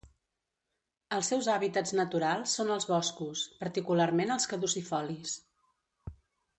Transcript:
Els seus hàbitats naturals són els boscos, particularment els caducifolis.